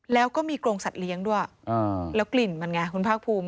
แล้วก็มีกรงสัตว์เลี้ยงด้วยแล้วกลิ่นมันไงคุณภาคภูมิ